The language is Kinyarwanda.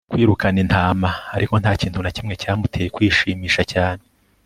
kwirukana intama, ariko ntakintu nakimwe cyamuteye kwishimisha cyane